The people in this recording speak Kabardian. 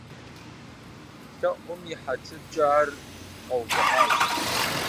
ЛъэӀум и хьэтыркӀэ, ар къэувыӀащ.